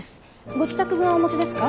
ご自宅分はお持ちですか？